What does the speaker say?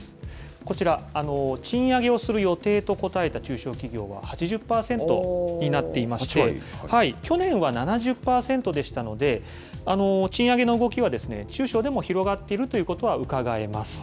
こちら、賃上げをする予定と答えた中小企業は８０％になっていまして、去年は７０％でしたので、賃上げの動きは、中小でも広がっているということはうかがえます。